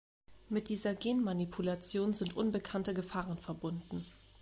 Mit dieser Genmanipulation sind unbekannte Gefahren verbunden.